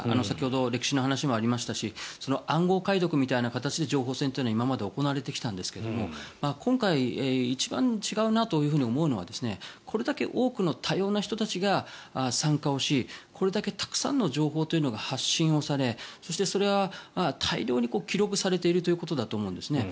先ほど歴史の話もありましたし暗号解読みたいな形で情報戦というのは今まで行われてきたんですが今回、一番違うなと思うのはこれだけ多くの多様な人たちが参加をしこれだけたくさんの情報が発信されそして、それは大量に記録されているということだと思うんです。